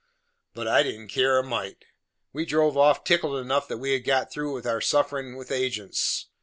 But I didn't care a mite; we drove off tickled enough that we had got through with our sufferin's with agents.